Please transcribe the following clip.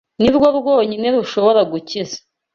ni rwo rwonyine rushobora gukiza.